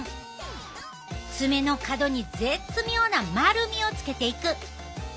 爪の角に絶妙な丸みをつけていく。